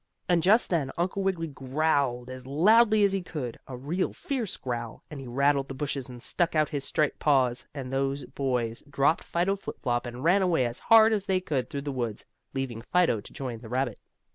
And just then Uncle Wiggily growled as loudly as he could, a real fierce growl, and he rattled the bushes and stuck out his striped paws, and those boys dropped Fido Flip Flop, and ran away, as hard as they could through the woods, leaving Fido to join the rabbit.